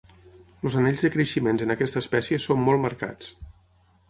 Els anells de creixements en aquesta espècie són molt marcats.